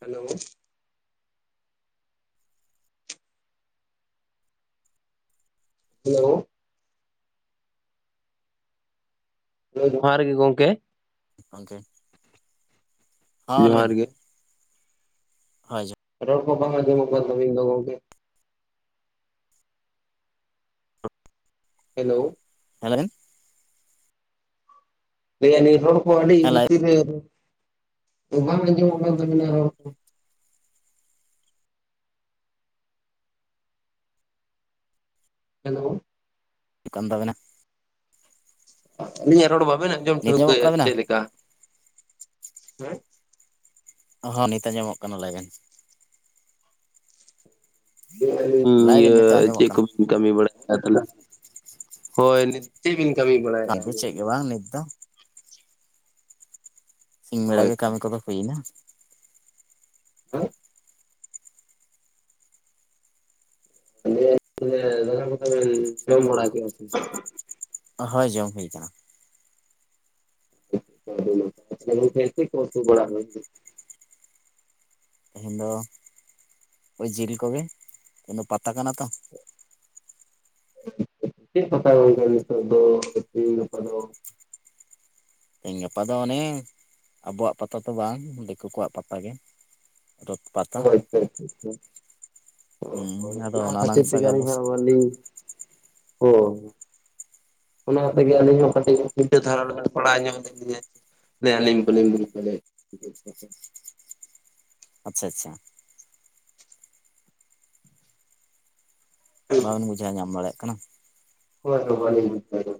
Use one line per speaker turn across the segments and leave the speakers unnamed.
Hello [unintelligible] ᱳ ᱾ ᱦᱮᱸ ᱡᱚᱦᱟᱨ ᱜᱮ ᱜᱚᱝᱠᱮ ᱾
ᱜᱚᱝᱠᱮ ᱾
ᱡᱚᱦᱟᱨ ᱜᱮ ᱾
ᱦᱚᱭ ᱡᱚ ᱾
ᱨᱚᱲ ᱠᱚ ᱵᱟᱝ ᱟᱡᱚᱢᱚᱜ ᱠᱟᱱ ᱛᱟᱵᱤᱱ ᱫᱚ ᱜᱚᱢᱠᱮ ᱾ ᱦᱮᱞᱞᱻᱳ ᱾
[unintelligible]
ᱞᱟᱹᱭ ᱮᱭᱟᱭ ᱞᱟᱹᱭ ᱦᱚᱲ ᱠᱚ ᱞᱟᱹᱭᱮ ᱟ ᱞᱤᱧ ᱟᱹᱰᱤ
ᱦᱮᱸ ᱞᱟᱹᱭ
ᱵᱷᱤᱛᱤᱨ ᱨᱮ ᱵᱟᱝ ᱟᱡᱚᱢᱚᱜ ᱠᱟᱱ ᱛᱟᱵᱤᱱᱟ ᱨᱚᱲ ᱠᱚ ᱾ ᱦᱮᱞᱳ
[inaudible] ᱫᱚ ᱢᱮᱱᱟᱜ
ᱟᱹᱞᱤᱧᱟᱜ ᱨᱚᱲ ᱵᱟᱵᱤᱱ ᱟᱸᱡᱚᱢ
ᱱᱤᱛ
ᱴᱷᱟᱹᱣᱠᱟᱹ
ᱟᱸᱡᱚᱢᱚᱜ
ᱭᱮᱜ
ᱠᱟᱱ
ᱟ ᱥᱮ
ᱛᱟᱵᱮᱱᱟ
ᱪᱮᱫ ᱞᱮᱠᱟ
ᱦᱚᱸ ᱱᱤᱛ ᱟᱸᱡᱚᱢᱚᱜ ᱠᱟᱱᱟ ᱞᱟᱹᱭ ᱵᱤᱱ
ᱞᱟᱹᱭ ᱟᱞᱤᱧ
ᱞᱟᱹᱭ ᱵᱮᱱ
ᱤᱭᱟᱹ
ᱱᱤᱛᱚᱜ ᱟᱸᱡᱚᱢᱚᱜ
ᱪᱮᱫ ᱠᱚ
ᱠᱟᱱᱟ
ᱠᱟᱹᱢᱤ ᱵᱟᱲᱟᱭᱟ ᱛᱟᱦᱞᱮ ᱦᱳᱭ ᱪᱮᱫ ᱵᱤᱱ ᱠᱟᱹᱢᱤ ᱵᱟᱲᱟᱭᱮᱜᱼᱟ
ᱪᱮ ᱵᱟᱝ ᱱᱤᱛ ᱫᱚ ᱥᱤᱧ ᱵᱮᱲᱟ
ᱦᱳᱭ
ᱜᱮ ᱠᱟᱹᱢᱤ ᱠᱚᱫᱚ ᱦᱩᱭ ᱱᱟ
ᱦᱮᱸ [unintelligible] [inaudible] ᱤᱭᱟᱹ [inaudible] ᱡᱚᱢ ᱵᱟᱲᱟ ᱠᱮᱜᱼᱟ ᱥᱮ
ᱦᱳᱭ ᱡᱚᱢ ᱦᱩᱭ ᱠᱟᱱᱟ
ᱜᱚᱝᱠᱮ ᱪᱮᱫ ᱠᱚ ᱩᱛᱩ ᱵᱟᱲᱟ ᱦᱩᱭᱱᱟ
ᱛᱮᱦᱮᱧ ᱫᱚ ᱦᱳᱭ ᱡᱤᱞ ᱠᱚᱜᱮ ᱛᱮᱦᱮᱧ ᱫᱚ ᱯᱟᱛᱟ ᱠᱟᱱᱟ ᱛᱚ
ᱪᱮᱫ ᱠᱚᱯᱮ [unintelligible] ᱱᱤᱛᱚᱜ ᱫᱚ [inaudible] ᱜᱟᱯᱟ ᱫᱚ
ᱛᱮᱜᱮᱧ ᱜᱟᱯᱟ ᱫᱚ ᱚᱱᱮ ᱟᱵᱚᱣᱟᱜ ᱯᱟᱛᱟ ᱛᱚ ᱵᱟᱝ ᱫᱤᱠᱩ ᱠᱚᱣᱟᱜ ᱯᱟᱛᱟ ᱜᱮ ᱨᱚᱛ ᱯᱟᱛᱟ
ᱚᱦᱚ
ᱦᱩᱸ ᱟᱫᱚ
ᱚᱱᱟ
ᱱᱟᱝ
ᱠᱷᱟᱹᱛᱤᱨ
ᱥᱟᱜ
ᱛᱮᱜᱮ
ᱟᱵᱚ
ᱟᱞᱤᱧ ᱦᱟᱸᱜ ᱵᱟᱹᱞᱤᱧ ᱚᱦᱚ ᱚᱱᱟ ᱛᱮᱜᱮ ᱟᱹᱞᱤᱧ ᱦᱚᱸ ᱠᱟᱹᱴᱤᱡ [unintelligible] ᱫᱷᱟᱨᱟ ᱯᱟᱲᱟᱣ ᱧᱚᱜ ᱞᱮᱜ ᱞᱤᱧᱟᱹ [inaudible] ᱟᱞᱤᱧ ᱵᱟᱞᱤᱧ ᱜᱩᱨᱩᱛᱛᱚ ᱞᱮᱫ
ᱟᱪᱪᱷᱟ ᱟᱪᱪᱷᱟ ᱵᱟᱵᱤᱱ ᱵᱩᱡᱷᱟᱹᱣ ᱧᱟᱢ ᱫᱟᱲᱮᱭᱟᱜ ᱠᱟᱱᱟ
ᱦᱳᱭ ᱦᱳᱭ ᱵᱟᱞᱤᱧ ᱵᱩᱡ ᱫᱟᱲᱮᱭᱟᱜ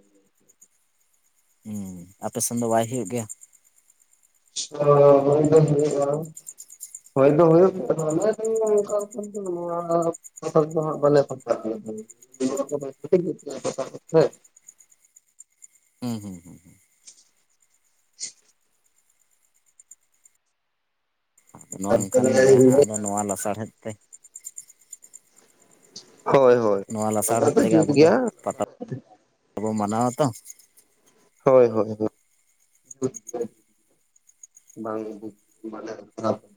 ᱦᱩᱸ ᱟᱯᱮᱥᱮᱱ ᱫᱚ ᱵᱟᱭ ᱦᱩᱭᱩᱜ ᱜᱮᱭᱟ
ᱚᱻ ᱦᱩᱭ ᱫᱚ ᱦᱩᱭᱩᱜᱼᱟ ᱦᱳᱭ ᱫᱚ ᱦᱩᱭᱩᱜ ᱟᱫᱚ ᱱᱚᱝᱠᱟ [inaudible] ᱱᱚᱣᱟ ᱦᱚᱴᱟᱫ ᱫᱚ ᱦᱟᱸᱜ ᱵᱟᱞᱮ ᱯᱟᱛᱟ ᱟ [inaudible] ᱫᱚᱥᱮ
ᱦᱩᱸ ᱦᱩᱸ ᱦᱩᱸ ᱦᱩᱸ
[inaudible]
ᱟᱫᱚ ᱱᱚᱝᱠᱟᱱ ᱜᱮᱭᱟ ᱦᱟᱸᱜ ᱟᱫᱚ ᱱᱚᱣᱟ ᱞᱟᱥᱟᱲᱦᱮᱫ ᱛᱮ
ᱦᱳᱭ ᱦᱳᱭ
ᱱᱚᱣᱟ ᱞᱟᱥᱟᱲ
ᱚᱱᱟ
ᱦᱮᱛ ᱛᱮᱜᱮ
ᱡᱩᱛ
ᱟᱵᱚ ᱫᱚ
ᱜᱮᱭᱟ
ᱯᱟᱛᱟ ᱵᱚ ᱢᱟᱱᱟᱣ ᱟᱛᱚ
ᱦᱳᱭ ᱦᱳᱭ ᱦᱳᱭ [inaudible] ᱵᱟᱝ [inaudible]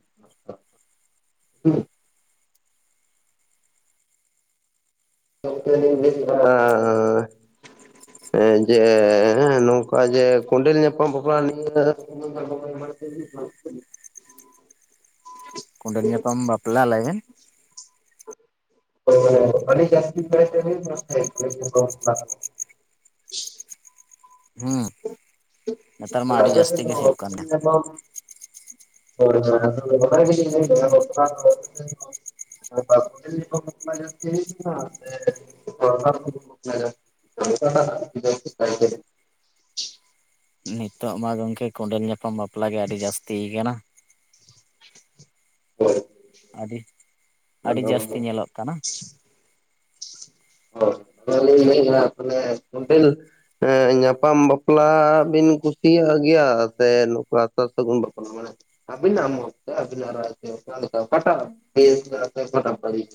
ᱜᱚᱝᱠᱮ ᱵᱮᱥ ᱵᱟᱲᱟ ᱟᱸᱻ ᱦᱮᱸ ᱡᱮ ᱦᱮᱸ ᱱᱚᱝᱠᱟ ᱡᱮ ᱠᱚᱸᱰᱮᱞ ᱧᱟᱯᱟᱢ ᱵᱟᱯᱞᱟ ᱱᱤᱭᱟᱹ [inaudible] ᱵᱟᱹᱲᱛᱤ [inaudible]
ᱠᱚᱸᱰᱮᱞ ᱧᱟᱯᱟᱢ ᱵᱟᱯᱞᱟ ᱞᱟᱹᱭ ᱵᱤᱱ
ᱳ ᱢᱟᱱᱮ ᱟᱹᱰᱤ ᱡᱟᱥᱛᱤ ᱦᱩᱭᱩᱜ ᱠᱟᱱᱟ [unintelligible]
ᱦᱩᱸ ᱱᱮᱛᱟᱨ ᱢᱟ
[inaudible]
ᱟᱹᱰᱤ
ᱟᱯᱮᱥᱮᱫ
ᱡᱟᱹᱥᱛᱤ ᱜᱮ
ᱫᱚ
ᱦᱩᱭᱩᱜ
ᱠᱚᱸᱰᱮᱞ
ᱠᱟᱱᱟ
ᱧᱟᱯᱟᱢ ᱦᱳᱭ ᱦᱳᱭ ᱟᱫᱚ ᱚᱱᱟ ᱜᱤᱧ ᱞᱮᱭ ᱫᱟ [inaudible] ᱠᱳᱰᱮᱞ ᱧᱟᱯᱟᱢ ᱵᱟᱯᱞᱟ ᱡᱟ. ᱥᱛᱤ ᱦᱩᱭᱩᱜ ᱜᱮᱭᱟ ᱥᱮ ᱥᱟᱨᱥᱟ. ᱜᱩᱱ ᱵᱟᱯᱞᱟ ᱚᱠᱟᱴᱟᱜ ᱡᱟ. ᱥᱛᱤ ᱠᱟᱭᱛᱮ
ᱱᱤᱛᱚᱜ ᱢᱟ ᱜᱚᱝᱠᱮ ᱠᱚᱸᱰᱮᱞ ᱧᱟᱯᱟᱢ ᱵᱟᱯᱞᱟ ᱜᱮ ᱟᱹᱰᱤ ᱡᱟᱹᱥᱛᱤ ᱠᱟᱱᱟ
ᱦᱳᱭ
ᱟᱹᱰᱤ ᱟᱹᱰᱤ ᱡᱟᱹᱥᱛᱤ
ᱟᱫᱚ
ᱧᱮᱞᱚᱜ ᱠᱟᱱᱟ
ᱦᱳᱭ ᱚᱱᱟᱞᱤᱧ ᱞᱮᱭᱮᱜ ᱟ ᱢᱟᱱᱮ ᱠᱚᱸᱰᱮᱞ ᱦᱮᱸ ᱧᱟᱯᱟᱢ ᱵᱟᱯᱞᱟ ᱵᱤᱱ ᱠᱩᱥᱤᱭᱟᱜ ᱜᱮᱭᱟ ᱥᱮ ᱱᱚᱝᱠᱟ ᱥᱟᱨ ᱥᱟᱹᱜᱩᱱ ᱵᱟᱯᱞᱟ ᱢᱟᱱᱮ ᱟᱵᱤᱱᱟᱜ ᱢᱚᱛ ᱛᱮ ᱟᱵᱤᱱᱟᱜ ᱨᱟᱭ ᱛᱮ ᱚᱠᱟᱞᱮᱠᱟ ᱚᱠᱟᱴᱟᱜ ᱵᱮᱥ ᱟ ᱥᱮ ᱚᱠᱟᱴᱟᱜ ᱵᱟᱹᱲᱤᱡ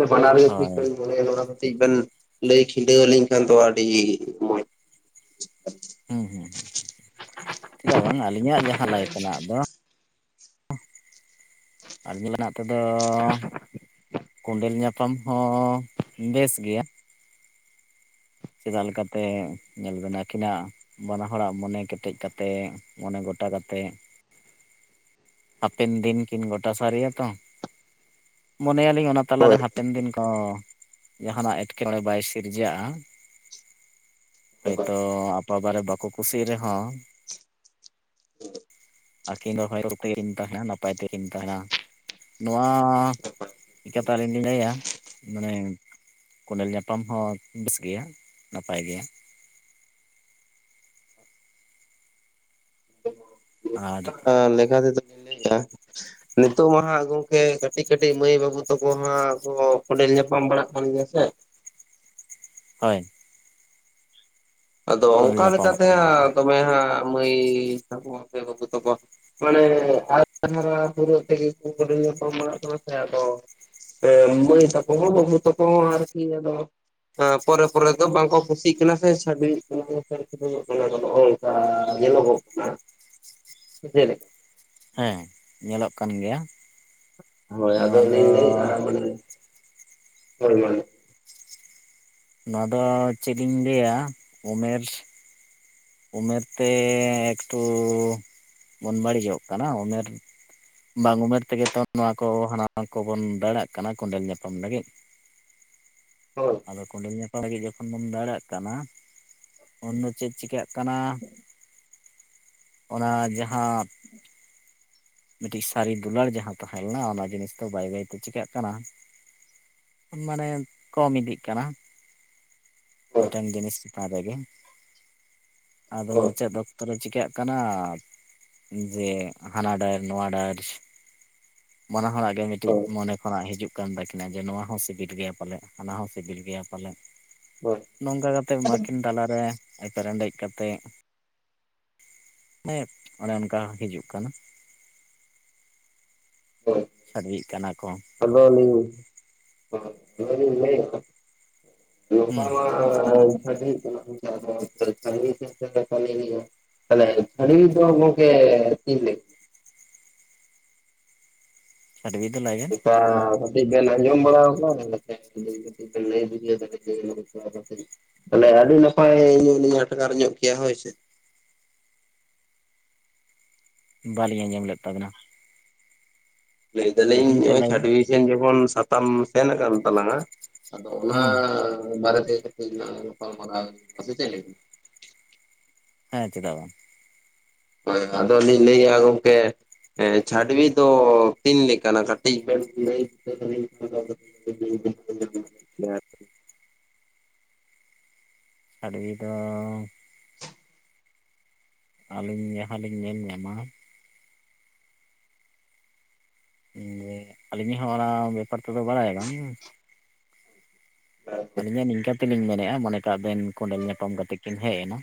ᱟ [unintelligible] ᱵᱟᱱᱟᱨ ᱜᱮ ᱴᱷᱤᱠ
ᱦᱳᱭ
ᱞᱤᱧ ᱢᱚᱱᱮᱭᱟ ᱚᱱᱟ ᱠᱟᱹᱴᱤᱡ ᱵᱮᱱ ᱞᱟᱹᱭ ᱠᱷᱤᱰᱟᱹᱣ ᱟᱹᱞᱤᱧ ᱠᱷᱟᱱ ᱫᱚ ᱟᱹᱰᱤ ᱢᱚᱡᱽ
ᱦᱩᱸ ᱦᱩᱸ ᱦᱩᱸ ᱪᱮᱫᱟᱜ ᱵᱟᱝ ᱟᱹᱞᱤᱧᱟᱜ ᱡᱟᱦᱟᱸ ᱞᱟᱭ ᱛᱮᱱᱟᱜ ᱫᱚ ᱟᱵᱤᱱᱟᱜ ᱛᱮᱫᱚ ᱠᱚᱸᱰᱮᱞ ᱧᱟᱯ ᱧᱟᱯᱟᱢ ᱦᱚᱸ ᱵᱮᱥ ᱜᱮᱭᱟ ᱪᱮᱫᱟᱜ ᱞᱮᱠᱟᱛᱮ ᱧᱮᱞ ᱵᱮᱱ ᱟᱹᱠᱤᱱᱟᱜ ᱵᱟᱱᱟ ᱦᱚᱲᱟᱜ ᱢᱚᱱᱮ ᱠᱮᱴᱮᱡ ᱠᱟᱛᱮᱫ ᱢᱚᱱᱮ ᱜᱚᱴᱟ ᱠᱟᱛᱮᱫ ᱦᱟᱯᱮᱱ ᱫᱤᱱ ᱠᱤᱱ ᱜᱚᱴᱟ ᱥᱟᱨᱤᱭᱟ ᱛᱚ ᱢᱚᱱᱮᱭᱟᱞᱤᱧ ᱚᱱᱟ ᱛᱟᱞᱟ ᱨᱮ
ᱦᱳᱭ
ᱦᱟᱯᱮᱱ ᱫᱤᱱ ᱠᱚ ᱡᱟᱦᱟᱱᱟᱜ ᱮᱴᱠᱮᱴᱚᱬᱮ ᱵᱟᱭ ᱥᱤᱨᱡᱟᱹᱜᱼᱟ ᱦᱚᱭᱛᱳ ᱴᱚᱵᱟ ᱨᱮ ᱵᱟᱠᱚ ᱠᱩᱥᱤᱜ ᱨᱮᱦᱚᱸ ᱟᱹᱠᱤᱱ ᱵᱟ [inaudible] ᱨᱚᱯ ᱛᱮᱠᱤᱱ ᱛᱟᱦᱮᱱᱟ ᱱᱟᱯᱟᱭ ᱛᱮ ᱠᱤᱱ ᱛᱟᱦᱮᱱᱟ ᱱᱚᱣᱟ ᱪᱤᱠᱟᱹᱛᱮ ᱟᱹᱞᱤᱧ ᱞᱤᱧ ᱞᱟᱹᱭᱟ ᱢᱟᱱᱮ ᱠᱚᱸᱰᱮᱞ ᱧᱟᱯᱟᱢ ᱦᱚᱸ ᱵᱮᱥ ᱜᱮᱭᱟ ᱱᱟᱯᱟᱭ ᱜᱮ ᱟᱨ
ᱞᱮᱠᱷᱟ [inaudible] ᱛᱮᱫᱚ ᱞᱤᱧ ᱞᱟᱹᱭ ᱟ ᱱᱤᱛᱚᱜ ᱢᱟ ᱦᱟᱸᱜ ᱜᱚᱢᱠᱮ ᱠᱟᱹᱴᱤᱡ ᱠᱟᱹᱴᱤᱡ ᱢᱟᱹᱭ ᱵᱟᱹᱵᱩ ᱛᱟᱠᱚ ᱦᱟᱸᱜ ᱠᱚ ᱠᱚᱸᱰᱮᱞ ᱧᱟᱯᱟᱢ ᱵᱟᱲᱟᱜ ᱠᱟᱱ ᱜᱮᱭᱟ ᱥᱮ
ᱦᱳᱭ
ᱟᱫᱚ
ᱠᱚᱸᱰᱮᱞ
ᱚᱱᱠᱟ
ᱧᱟᱯᱟᱢᱚᱜ
ᱞᱮᱠᱟᱛᱮ
ᱠᱟᱱ ᱜᱮᱭᱟ ᱠᱚ
ᱦᱟᱸᱜ ᱫᱚᱢᱮ ᱦᱟᱸᱜ ᱢᱟᱹᱭ ᱛᱟᱠᱚ ᱥᱮ ᱵᱟᱹᱵᱩ ᱛᱟᱠᱚ ᱢᱟᱱᱮ ᱟ. ᱣᱨᱤ ᱦᱟᱨᱟᱜ ᱯᱩᱨᱟᱹᱣ ᱛᱮᱜᱮ ᱠᱚᱰᱮᱞ ᱧᱟᱯᱟᱢᱚᱜ ᱠᱟᱱᱟ ᱥᱮ ᱟᱫᱚ ᱵᱟᱹᱭ ᱛᱟᱠᱚ ᱦᱚᱸ ᱵᱟᱹᱵᱩ ᱛᱟᱠᱚ ᱦᱚᱸ ᱟᱨᱠᱤ ᱟᱫᱚ ᱦᱚ ᱯᱚᱨᱮ ᱯᱚᱨᱮ ᱫᱚ ᱵᱟᱝᱠᱚ ᱠᱩᱥᱤ ᱠᱟᱱᱟ ᱥᱮ ᱚᱱᱟ [inaudible] ᱫᱚ ᱱᱚᱜᱚ ᱱᱚᱝᱠᱟ ᱧᱮᱞᱚᱜᱚᱜ ᱠᱟᱱᱟ ᱥᱮ ᱪᱮᱫ ᱞᱮᱠᱟ
ᱦᱮᱸ ᱧᱮᱞᱚᱜ ᱠᱟᱱ ᱜᱮᱭᱟ
ᱦᱳᱭ ᱟᱫᱚ
ᱱᱚᱣᱟ ᱫᱚ
ᱞᱤᱧ ᱞᱟᱹᱭ ᱮᱫᱟ ᱢᱟᱱᱮ [inaudible]
ᱱᱚᱣᱟ ᱫᱚ ᱪᱮᱫ ᱤᱧ ᱞᱟᱹᱭᱟ ᱩᱢᱮᱨ ᱩᱢᱮᱨ ᱛᱮ ᱮᱠᱴᱩ ᱵᱚᱱ ᱵᱟᱹᱲᱤᱡᱚᱜ ᱠᱟᱱᱟ ᱩᱢᱮᱨ ᱵᱟᱝ ᱩᱢᱮᱨ ᱛᱮᱜᱮ ᱛᱚ ᱱᱚᱣᱟ ᱠᱚ ᱦᱟᱱᱟ ᱠᱚᱵᱚᱱ ᱫᱟᱹᱲᱟᱜ ᱠᱟᱱᱟ ᱠᱚᱸᱰᱮᱞ ᱧᱟᱯᱟᱢ ᱞᱟᱹᱜᱤᱫ᱾
ᱦᱳᱭ
ᱟᱫᱚ ᱠᱚᱸᱰᱮᱞ ᱧᱟᱯᱟᱢ ᱞᱟᱹᱜᱤᱫ ᱡᱚᱠᱷᱚᱱ ᱵᱚᱱ ᱫᱟᱹᱲᱟᱜ ᱠᱟᱱᱟ ᱩᱱ ᱫᱚ ᱪᱮᱫ ᱪᱤᱠᱟᱹᱜ ᱠᱟᱱᱟ ᱚᱱᱟ ᱡᱟᱦᱟᱸ ᱢᱤᱫ ᱴᱤᱡ ᱥᱟᱹᱨᱤ ᱫᱩᱞᱟᱹᱲ ᱡᱟᱦᱟᱸ ᱛᱟᱦᱮᱸ ᱞᱮᱱᱟ ᱚᱱᱟ ᱡᱤᱱᱤᱥ ᱫᱚ ᱵᱟᱹᱭ ᱵᱟᱹᱭ ᱛᱮ ᱪᱤᱠᱟᱹᱜ ᱠᱟᱱᱟ, ᱢᱟᱱᱮ ᱠᱚᱢ ᱤᱫᱤᱜ ᱠᱟᱱᱟ ᱢᱤᱫᱴᱟᱝ ᱡᱤᱱᱤᱥ ᱪᱮᱛᱟᱱ ᱨᱮᱜᱮ ᱟᱫᱚ
ᱦᱳᱭ
ᱢᱩᱪᱟᱹᱫ ᱚᱠᱛᱚᱨᱮ ᱪᱤᱠᱟᱹᱜ ᱠᱟᱱᱟ ᱡᱮ ᱦᱟᱱᱟ ᱰᱟᱹᱨ ᱱᱚᱣᱟ ᱰᱟᱹᱨ ᱵᱟᱱᱟ ᱦᱚᱲᱟᱜ ᱜᱮ ᱢᱤᱫᱴᱤᱡ
ᱦᱳᱭ
ᱢᱚᱱᱮ ᱠᱷᱚᱱᱟᱜ ᱦᱤᱡᱩᱜ ᱠᱟᱱ ᱛᱟᱹᱠᱤᱱᱟ ᱡᱮ ᱱᱚᱣᱟ ᱦᱚᱸ ᱥᱤᱵᱤᱞ ᱜᱮᱭᱟ ᱯᱟᱞᱮᱫ ᱦᱟᱱᱟ ᱦᱚᱸ ᱥᱤᱵᱤᱞ ᱜᱮᱭᱟ ᱯᱟᱞᱮᱫ
ᱦᱳᱭ
ᱱᱚᱝᱠᱟ ᱠᱟᱛᱮᱜ ᱟᱠᱤᱱ ᱛᱟᱞᱟᱮ ᱮᱯᱮᱨ ᱦᱮᱰᱮᱡ ᱠᱟᱛᱮᱫ ᱦᱮᱸ ᱚᱱᱮ ᱚᱱᱠᱟ ᱦᱤᱡᱩᱜ ᱠᱟᱱᱟ
ᱦᱳᱭ
ᱥᱟᱰᱮᱜ ᱠᱟᱱᱟ ᱠᱚ᱾
ᱟᱫᱚ ᱞᱤᱧ
ᱦᱩᱸ
ᱞᱟᱹᱭᱮᱫ ᱱᱚᱝᱠᱟ ᱢᱟ [unintelligible] [inaudible]
ᱪᱷᱟᱰᱣᱤ ᱫᱚ ᱞᱟᱭ
[unintelligible] ᱠᱟᱹᱡ ᱵᱤᱱ ᱟᱡᱚᱢ ᱵᱟᱲᱟ ᱟᱠᱟᱫᱟ [inaudible] ᱛᱟᱦᱚᱞᱮ ᱟᱹᱰᱤ ᱱᱟᱯᱟᱭ ᱟᱞᱤᱧ ᱟᱴᱠᱟᱨ ᱧᱚᱜ ᱠᱮᱭᱟ ᱦᱳᱭ ᱥᱮ᱾
ᱵᱟᱞᱤᱧ ᱟᱸᱡᱚᱢ ᱞᱮᱫ ᱛᱟᱵᱤᱱᱟ᱾
ᱞᱟᱹᱭ ᱫᱟᱞᱤᱧ
ᱠᱩᱠᱞᱤ
ᱱᱚᱜ
ᱛᱮᱫ
ᱚᱭ
ᱞᱟᱹᱭ ᱵᱮᱱ
ᱪᱷᱟᱵᱷᱩᱭᱤ ᱥᱮᱱ ᱡᱮᱢᱚᱱ ᱥᱟᱛᱟᱢ ᱥᱮᱱ ᱠᱟᱱᱟᱱ ᱛᱟᱞᱟᱝᱼᱟ, ᱟᱫᱚ ᱚᱱᱟ
ᱦᱩᱸ
ᱵᱟᱨᱮ ᱛᱮ ᱠᱟᱴᱤᱡ ᱞᱟᱝ ᱜᱟᱯᱟᱞ ᱢᱟᱨᱟᱣ ᱥᱮ ᱪᱮᱫ ᱞᱟᱜᱤᱫ?
ᱦᱮᱸ ᱪᱮᱫᱟᱜ ᱵᱟᱝ᱾
ᱦᱳᱭ ᱟᱫᱚ ᱞᱤᱧ ᱞᱟᱹᱭᱮᱜᱼᱟ ᱜᱚᱢᱠᱮ ᱦᱮᱸ ᱪᱷᱟᱰᱵᱤ ᱫᱚ ᱛᱤᱱ ᱞᱮᱠᱟᱱᱟᱜ ᱠᱟᱹᱴᱤᱡ ᱵᱮᱱ ᱞᱟᱹᱭ ᱩᱛᱟᱹᱨ [inaudible] [unintelligible]
ᱪᱷᱟᱰᱣᱤ ᱫᱚᱻ
[inaudible]
ᱟᱹᱞᱤᱧ ᱡᱟᱦᱟᱸᱞᱤᱧ ᱧᱮᱞ ᱧᱟᱢᱟ ᱡᱮ ᱟᱞᱤᱧ ᱦᱚᱸ ᱚᱱᱟ ᱵᱮᱯᱟᱨ ᱛᱮᱫᱚ ᱵᱟᱲᱟᱭ ᱵᱟᱝ, ᱟᱹᱞᱤᱧᱟᱜ ᱱᱤᱝᱠᱟᱹ ᱛᱮᱞᱤᱧ ᱢᱮᱱᱮᱫᱼᱟ ᱢᱚᱱᱮ ᱠᱟᱜ ᱵᱮᱱ ᱠᱚᱸᱰᱮᱞ ᱧᱟᱯᱟᱢᱛᱮᱫ ᱠᱤᱱ ᱦᱮᱡ ᱮᱱᱟ,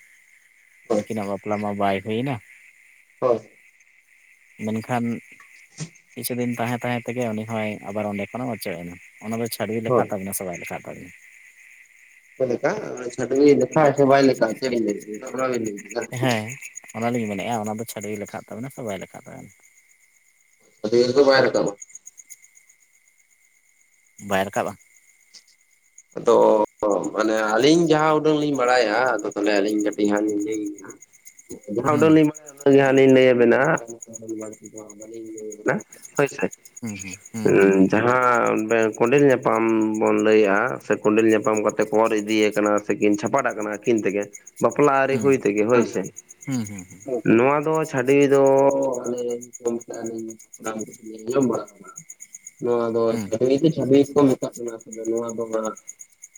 ᱩᱱᱠᱤᱱᱟᱜ ᱵᱟᱯᱞᱟ ᱢᱟ ᱵᱟᱭ ᱦᱩᱭᱱᱟ,
[inaudible]
ᱢᱮᱱᱠᱷᱟᱱ ᱠᱤᱪᱷᱩ ᱫᱤᱱ ᱛᱟᱦᱮᱸ ᱛᱟᱦᱮᱸ ᱛᱮᱜᱮ ᱩᱱᱤ ᱦᱚᱸᱭ ᱟᱵᱟᱨ ᱚᱸᱰᱮ ᱠᱷᱚᱱᱮ ᱚᱪᱚᱜ ᱮᱱᱟ ᱚᱱᱟ ᱫᱚ ᱪᱷᱟᱵᱤ ᱞᱮᱠᱷᱟ
ᱦᱳᱭ
ᱛᱟᱵᱤᱱᱟ ᱥᱮᱵᱟᱭ ᱞᱮᱠᱷᱟ ᱛᱟᱵᱤᱱᱟ? [inaudible]
ᱪᱮᱫ ᱞᱮᱠᱟ ᱪᱷᱟᱰᱣᱤ ᱞᱮᱠᱷᱟᱜ ᱟᱭ ᱥᱮ ᱵᱟᱭ ᱞᱮᱠᱷᱟᱜ [inaudible]
ᱦᱮᱸ ᱚᱱᱟᱞᱤᱧ ᱢᱮᱱᱮᱫᱼᱟ ᱚᱱᱟ ᱫᱚ ᱪᱷᱟᱹᱰᱣᱤ ᱞᱮᱠᱷᱟᱜ ᱛᱟᱵᱮᱱᱟ ᱥᱮ ᱵᱟᱭ ᱞᱮᱠᱷᱟᱜ ᱛᱟᱵᱮᱱᱟ?
ᱪᱷᱟᱰᱣᱤ ᱨᱮ ᱫᱚ ᱵᱟᱭ ᱨᱟᱠᱟᱵ-ᱟ᱾
ᱵᱟᱭ ᱨᱟᱠᱟᱵ-ᱟ?
ᱟᱫᱚᱻ ᱢᱟᱱᱮ ᱟᱹᱞᱤᱧ ᱡᱟᱦᱟᱸ ᱩᱰᱟᱹᱝ ᱞᱤᱧ ᱵᱟᱲᱟᱭᱟ ᱛᱟᱦᱚᱞᱮ ᱟᱹᱞᱤᱧ ᱠᱟᱹᱴᱤᱡ ᱦᱟᱸᱜ ᱞᱤᱧ ᱞᱟᱹᱭᱼᱟ, ᱡᱟᱦᱟᱸ
ᱦᱩᱸ
ᱩᱰᱟᱹᱜ ᱞᱤᱧ ᱵᱟ ᱡᱟᱦᱟ ᱟᱞᱤᱧ ᱞᱟᱹᱭᱟᱵᱮᱱᱟ [inaudible] ᱵᱟᱲᱛᱤ ᱫᱚ ᱵᱟᱞᱤᱧ ᱞᱟᱹᱭ-ᱟ ᱦᱳᱭᱥᱮ᱾
ᱦᱩᱸ ᱦᱩᱸᱦᱩᱸ ᱦᱩᱸ
ᱦᱟᱸ ᱚᱸᱰᱮ ᱠᱚᱸᱰᱮᱞ ᱧᱟᱯᱟᱢ ᱵᱚᱱ ᱞᱟᱹᱭ-ᱟ᱾ ᱥᱮ ᱠᱚᱸᱰᱮᱞ ᱧᱟᱯᱟᱢ ᱠᱟᱛᱮ ᱠᱚ ᱚᱨ ᱤᱫᱤᱭ ᱟᱠᱟᱱᱟ ᱥᱮᱠᱤᱱ ᱪᱷᱟᱯᱟᱰᱟᱜ ᱠᱟᱱᱟ ᱟᱹᱠᱤᱱ ᱛᱮᱜᱮ, ᱵᱟᱯᱞᱟ ᱟᱹᱣᱨᱤ ᱦᱩᱭ ᱛᱮᱜᱮ ᱦᱚᱭ ᱥᱮ᱾
ᱦᱩᱸᱦᱩᱸ
ᱱᱚᱣᱟ ᱫᱚ ᱪᱷᱟᱹᱰᱣᱤ ᱫᱚᱼᱼ ᱱᱚᱣᱟ ᱫᱚ
ᱦᱩᱸ
ᱪᱷᱟᱹᱵᱣᱤ ᱫᱚ ᱪᱷᱟᱹᱰᱣᱤ ᱜᱮᱠᱚ ᱢᱮᱛᱟᱜ ᱠᱟᱱᱟ ᱱᱚᱣᱟ ᱫᱚ ᱦᱟᱸᱜ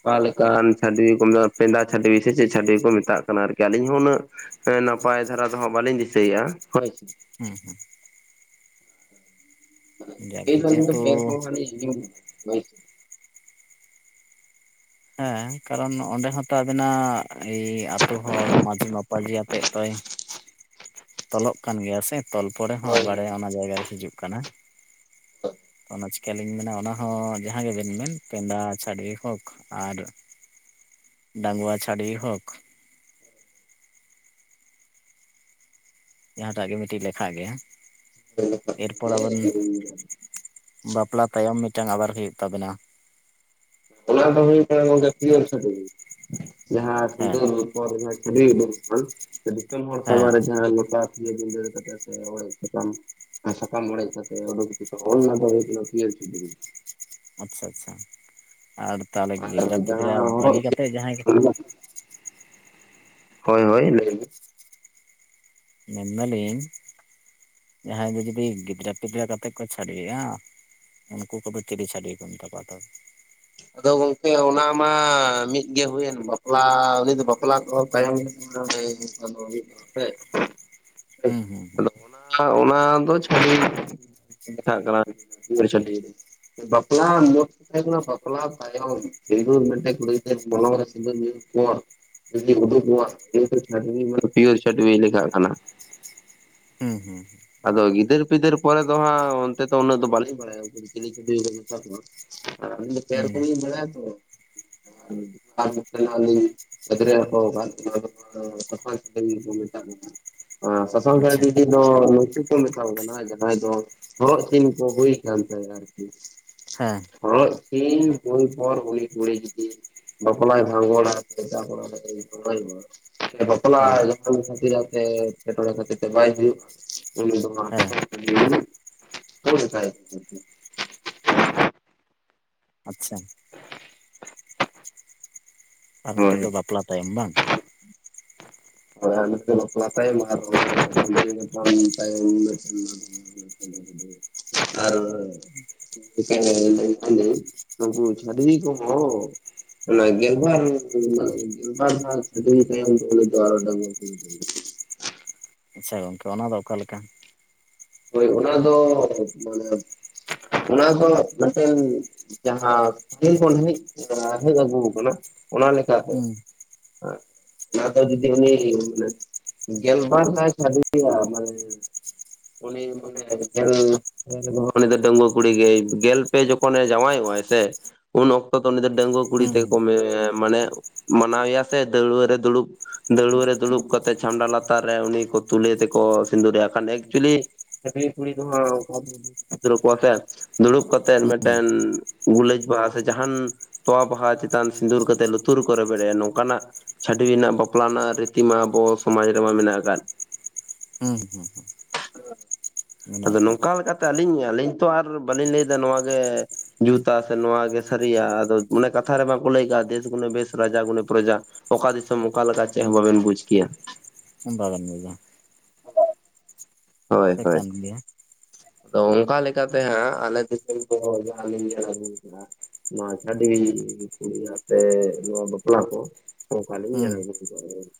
ᱚᱠᱟ ᱞᱮᱠᱟᱱ ᱪᱷᱟᱹᱰᱣᱤ ᱠᱚ ᱯᱮᱸᱫᱟ ᱪᱷᱟᱹᱰᱣᱤ ᱥᱮ ᱪᱮᱫ ᱪᱟᱹᱰᱣᱤ ᱠᱚ ᱢᱮᱛᱟᱜ ᱠᱟᱱᱟ ᱟᱨᱠᱤ ᱟᱹᱞᱤᱧ ᱦᱚᱸ ᱩᱱᱟᱹᱜ ᱱᱟᱯᱟᱭ ᱫᱷᱟᱨᱟ ᱫᱚ ᱦᱟᱸᱜ ᱵᱟᱹᱞᱤᱧ ᱫᱤᱥᱟᱹᱭᱟ ᱦᱳᱭ
ᱦᱩᱸ ᱦᱩᱸ
[unintelligible] ᱦᱳᱭ
ᱡᱟᱜᱮ ᱡᱮᱦᱮᱛᱩ
ᱥᱮ [inaudible]
ᱦᱮᱸ ᱠᱟᱨᱚᱱ ᱚᱸᱰᱮ ᱦᱚᱸᱛᱚ ᱮᱭ ᱟᱛᱳ ᱦᱚᱲ ᱢᱟᱺᱡᱷᱤ ᱢᱟᱯᱟᱡᱷᱤ ᱟᱛᱮᱫ ᱛᱚᱭ ᱛᱚᱞᱚᱜ ᱠᱟᱱ ᱜᱮᱭᱟ ᱥᱮ ᱛᱚᱞ ᱯᱚᱨᱮ ᱦᱚᱸ ᱟᱵᱟᱨᱮ ᱚᱱᱟ ᱡᱟᱭᱜᱟᱨᱮ ᱦᱤᱡᱩᱜ ᱠᱟᱱᱟ᱾
[unintelligible]
ᱚᱱᱟ ᱪᱤᱠᱟᱹᱞᱤᱧ ᱢᱮᱱᱟ ᱚᱱᱟ ᱦᱚᱸ ᱡᱟᱦᱟᱸ ᱜᱮᱵᱮᱱ ᱢᱮᱱ ᱮᱫᱟ ᱪᱷᱟᱹᱰᱭᱤ ᱦᱳᱠ ᱟᱨ ᱰᱟᱜᱣᱟ ᱪᱷᱟᱹᱰᱣᱤ ᱦᱳᱠ ᱡᱟᱦᱟᱸᱴᱟᱜ ᱜᱮ ᱢᱤᱫᱴᱤᱡ ᱞᱮᱠᱷᱟ ᱜᱮᱭᱟ
ᱦᱳᱭ
ᱮᱨᱯᱚᱨ ᱟᱵᱮᱱ
ᱦᱳᱭ
ᱵᱟᱯᱞᱟ ᱛᱟᱭᱚᱢ ᱢᱤᱫᱴᱟᱝ ᱟᱵᱟᱨ ᱦᱩᱭᱩᱜ ᱛᱟᱵᱮᱱᱟ
ᱚᱱᱟᱱᱟ ᱫᱚ ᱦᱩᱭᱩᱜ ᱠᱟᱱᱟ ᱜᱚᱝᱠᱮ ᱯᱤᱭᱳᱨ ᱪᱷᱟᱹᱰᱣᱤ ᱡᱟᱦᱟᱸᱭ
ᱦᱮᱸ
[inaudible] ᱠᱚᱣᱟᱜ ᱫᱤᱥᱚᱢ ᱦᱚᱲ
ᱦᱮᱸ
ᱥᱟᱢᱟᱝ ᱨᱮ ᱡᱟᱦᱟᱸ ᱞᱚᱴᱟ ᱤᱭᱟᱹ ᱫᱤᱱ ᱫᱟᱲᱮ ᱠᱟᱛᱮ ᱦᱚᱲ ᱟᱜ ᱥᱟᱛᱟᱢ ᱥᱟᱠᱟᱢ ᱚᱲᱮᱡᱽᱼᱼ
ᱟᱪᱪᱷᱟ ᱟᱪᱪᱷᱟ ᱟᱨ ᱛᱟᱦᱚᱞᱮ ᱜᱤᱫᱽᱨᱟᱹᱼ
ᱟᱨ
ᱯᱤᱫᱽᱨᱟᱹ
ᱡᱟᱦᱟᱸ ᱦᱚᱨᱚᱜ
ᱵᱟᱹᱜᱤ
ᱪᱤᱱ
ᱠᱟᱛᱮ ᱡᱟᱦᱟᱸᱭ
ᱦᱳᱭ ᱦᱳᱭ ᱞᱟᱹᱭ ᱢᱮ
ᱢᱮᱱ ᱫᱟᱹᱞᱤᱧ [unintelligible] ᱡᱟᱦᱟᱸᱭ ᱜᱮ ᱡᱩᱫᱤ ᱜᱤᱫᱽᱨᱟᱹ ᱯᱤᱫᱽᱨᱟᱹ ᱠᱟᱛᱮᱫ ᱠᱚ ᱪᱷᱟᱹᱰᱣᱤᱼᱟ ᱩᱱᱠᱩ ᱠᱚᱫᱚ ᱪᱤᱞᱤ ᱪᱷᱟᱹᱰᱣᱤ ᱠᱚ ᱢᱮᱛᱟ ᱠᱚᱣᱟ ᱛᱚᱵᱮ
ᱟᱫᱚ ᱜᱚᱝᱠᱮ ᱚᱱᱟ ᱢᱟ ᱢᱤᱫᱜᱮ ᱦᱩᱭᱮᱱ ᱵᱟᱯᱞᱟ ᱩᱱᱤ ᱫᱚ ᱵᱟᱯᱞᱟ ᱠᱚᱦᱚᱸ ᱛᱟᱭᱚᱢ [inaudible]
ᱦᱩᱸ ᱦᱩᱸ
ᱟᱫᱚ ᱚᱱᱟ ᱚᱱᱟ ᱫᱚ [inaudible] [inaudible] ᱠᱟᱱᱟ [inaudible] ᱵᱟᱯᱞᱟ [inaudible] ᱵᱟᱯᱞᱟ ᱛᱟᱭᱚᱢ ᱥᱤᱸᱫᱩᱨ ᱢᱮᱱᱛᱮ ᱠᱩᱲᱤ ᱜᱤᱫᱟᱹᱨ ᱢᱚᱞᱚᱝ ᱨᱮ ᱥᱤᱸᱫᱩᱨ [inaudible] [inaudible] ᱯᱤᱭᱳᱨ ᱪᱷᱟᱹᱰᱵᱤᱭ ᱞᱮᱠᱷᱟᱜ ᱠᱟᱱᱟ
ᱦᱩᱸ ᱦᱩᱸ
ᱟᱫᱚ ᱜᱤᱫᱟᱹᱨ ᱯᱤᱫᱟᱹᱨ ᱯᱚᱨᱮ ᱫᱚ ᱦᱟᱸᱜ ᱚᱱᱛᱮ ᱫᱚ ᱩᱱᱟᱹᱜ ᱫᱚ ᱵᱟᱹᱞᱤᱧ ᱵᱟᱲᱟᱭᱟ ᱩᱱᱠᱩ ᱫᱚ ᱪᱤᱞᱤ ᱪᱷᱟᱰᱵᱤ ᱠᱚ ᱢᱮᱛᱟ ᱠᱚᱣᱟ ᱯᱮ ᱨᱚᱠᱚᱡ
ᱦᱩᱸ
ᱞᱤᱧ ᱵᱟᱲᱟᱭᱭᱟᱛᱚ [inaudible] [inaudible] ᱢᱮᱛᱟ ᱠᱚ ᱠᱟᱱᱟ ᱥᱟᱥᱟᱝ
ᱟᱪᱪᱷᱟ
ᱪᱷᱟᱰᱵᱤ [inaudible] ᱩᱱᱠᱩ ᱠᱚ ᱢᱮᱛᱟ ᱠᱚ ᱠᱟᱱᱟ ᱡᱟᱦᱟᱸᱭ ᱫᱚ ᱦᱚᱨᱚᱜ ᱪᱤᱱ ᱠᱚ ᱦᱩᱭ ᱠᱟᱱ ᱛᱟᱭᱟ ᱟᱨᱠᱤ
ᱦᱮᱸ
ᱦᱚᱨᱚᱜ ᱪᱤᱱ ᱦᱳᱭ ᱯᱚᱨ [inaudible] ᱠᱩᱲᱤ ᱡᱩᱫᱤ ᱵᱟᱯᱞᱟᱭ ᱵᱷᱟᱜᱚᱲᱟ [inaudible] [inaudible]
ᱦᱮᱸ
ᱮᱴᱠᱮᱴᱚᱬᱮ ᱠᱷᱟᱹᱛᱤᱨ ᱛᱮ ᱵᱟᱭ ᱦᱩᱭᱩᱜ
ᱦᱮᱸ
ᱟ [unintelligible] [inaudible]
ᱟᱪᱪᱷᱟ ᱟᱨ
ᱦᱳᱭ
ᱢᱤᱫᱴᱤᱡ ᱫᱚ ᱵᱟᱯᱞᱟ ᱛᱟᱭᱚᱢ ᱵᱟᱝ
ᱦᱚᱭ ᱟᱨ ᱢᱤᱫᱴᱤᱡ ᱵᱟᱯᱞᱟ ᱛᱟᱭᱚᱢ [inaudible] ᱟᱨ [inaudible] ᱩᱱᱠᱩ ᱪᱷᱟᱰᱵᱤ ᱠᱚᱦᱚᱸ ᱚᱱᱟ ᱜᱮᱞ ᱵᱟᱨ [inaudible] ᱜᱮᱞ ᱵᱟᱨ ᱫᱷᱟᱣ ᱪᱷᱟᱰᱵᱤ ᱛᱟᱭᱚᱢ [inaudible]
ᱟᱪᱪᱷᱟ ᱜᱚᱝᱠᱮ ᱚᱱᱟ ᱫᱚ ᱚᱠᱟ ᱞᱮᱠᱟ
ᱦᱳᱭ ᱚᱱᱟ ᱫᱚ [unintelligible] ᱢᱟᱱᱮ ᱚᱱᱟ ᱫᱚ ᱢᱮᱜᱴᱮᱝ ᱡᱟᱦᱟᱸ ᱯᱟᱹᱦᱤᱞ ᱠᱷᱚᱱ ᱦᱮᱡ ᱠᱟᱱᱟ ᱦᱮᱡ ᱟᱹᱜᱩ ᱟᱠᱟᱱᱟ ᱚᱱᱟ ᱞᱮᱠᱟᱛᱮ
ᱦᱩᱸ
ᱫᱚ ᱡᱩᱫᱤ ᱩᱱᱤ ᱢᱟᱱᱮ ᱜᱮᱞ ᱵᱟᱨ ᱫᱷᱟᱭ ᱮ ᱪᱷᱟᱰᱣᱤᱜᱼᱟ ᱢᱟᱱᱮ ᱩᱱᱤ [inaudible] [inaudible] ᱩᱱᱤ ᱫᱚ ᱰᱟᱹᱝᱜᱩᱣᱟᱹ ᱠᱩᱲᱤ ᱜᱮ ᱜᱮᱞ ᱯᱮ ᱡᱚᱠᱷᱚᱱᱮ ᱡᱟᱶᱟᱭᱚᱜ ᱟᱭ ᱥᱮ ᱩᱱ ᱚᱠᱛᱚ ᱫᱚ ᱩᱱᱤ ᱫᱚ ᱰᱟᱹᱝᱜᱩᱭᱟᱹ ᱠᱩᱲᱤ
ᱦᱩᱸ ᱦᱩᱸ
ᱛᱮᱠᱚ ᱢᱟᱱᱟᱣᱮᱭᱟ ᱥᱮ ᱫᱟᱹᱣᱲᱟᱹ ᱨᱮ ᱫᱩᱲᱩᱵ ᱫᱟᱹᱣᱲᱟᱹ ᱨᱮ ᱫᱩᱲᱩᱵ ᱠᱟᱛᱮ ᱪᱷᱟᱢᱰᱟ ᱞᱟᱛᱟᱨ ᱨᱮ ᱩᱱᱤ ᱠᱚ ᱛᱩᱞᱮ ᱛᱮᱠᱚ ᱥᱤᱸᱫᱩ ᱨᱟᱭᱟ ᱛᱟᱦᱞᱮ ᱮᱠᱪᱩᱭᱮᱞᱤ ᱪᱷᱟᱹᱰᱵᱤ ᱠᱩᱲᱤ ᱠᱚ ᱦᱚᱸ [unintelligible] ᱫᱩᱲᱩᱵ ᱠᱟᱛᱮᱜ
ᱦᱩᱸ
ᱢᱮᱜᱴᱮᱱ ᱜᱩᱞᱟᱹᱡ ᱵᱟᱦᱟ ᱥᱮ ᱡᱟᱦᱟᱱ ᱛᱚᱣᱟ ᱵᱟᱦᱟ ᱪᱮᱛᱟᱱ ᱥᱤᱸᱫᱩᱨ ᱠᱟᱛᱮᱫ ᱞᱩᱛᱩᱨ ᱨᱮᱠᱚ ᱨᱮᱵᱮᱫ ᱟᱭᱟ ᱱᱚᱝᱠᱟᱱᱟᱜ ᱪᱷᱟᱹᱰᱣᱤᱱᱟᱜ ᱵᱟᱯᱞᱟᱱᱟᱜ ᱨᱤᱛᱤ ᱢᱟ ᱟᱵᱚ ᱥᱚᱢᱟᱡᱽ ᱨᱮᱢᱟ ᱢᱮᱱᱟᱜ ᱟᱠᱟᱫ ᱜᱮ
ᱦᱩᱸ ᱦᱩᱸ
ᱟᱫᱚ
ᱢᱮᱱᱟᱜ ᱟᱠᱟᱫ
ᱱᱚᱝᱠᱟ ᱞᱮᱠᱟᱛᱮ ᱟᱹᱞᱤᱧ ᱟᱹᱞᱤᱧ ᱛᱚ ᱟᱨ ᱵᱟᱹᱞᱤᱧ ᱞᱟᱹᱭᱫᱟ ᱱᱚᱣᱟᱜᱮ ᱡᱩᱛᱟ ᱥᱮ ᱱᱚᱣᱟ ᱜᱮ ᱥᱟᱹᱨᱤᱭᱟ ᱟᱫᱚ ᱢᱟᱱᱮ ᱠᱟᱛᱷᱟ ᱨᱮ ᱵᱟᱠᱚ ᱞᱟᱹᱭ ᱠᱟᱜ ᱟ ᱫᱮᱥ ᱜᱩᱱᱮ ᱵᱮᱥ ᱨᱟᱡᱟ ᱜᱩᱱᱮ ᱯᱨᱚᱡᱟ ᱚᱠᱟ ᱫᱤᱥᱚᱢ ᱚᱠᱟ ᱞᱮᱠᱟ ᱪᱮᱫ ᱦᱚᱸ ᱵᱟᱵᱮᱱ ᱵᱩᱡᱽ ᱠᱮᱭᱟ
ᱵᱟᱵᱮᱱ ᱵᱩᱡᱟ
ᱦᱳᱭ
ᱥᱮ
ᱦᱳᱭ
ᱠᱟᱱ ᱜᱮᱭᱟ
ᱟᱫᱚ ᱚᱱᱠᱟ ᱞᱮᱠᱟᱛᱮ ᱦᱟᱸᱜ ᱟᱞᱮ ᱫᱤᱥᱚᱢ ᱠᱚ ᱡᱟᱦᱟ ᱞᱤᱧ ᱧᱮᱞ ᱟᱜᱩ ᱠᱟᱜᱼᱟ᱾ ᱱᱚᱣᱟ ᱪᱷᱟᱰᱤ ᱠᱩᱲᱤᱭᱟᱛᱮ ᱱᱚᱣᱟ ᱵᱟᱯᱞᱟ ᱠᱚ ᱚᱟᱞᱧ
ᱦᱩᱸ
[inaudible]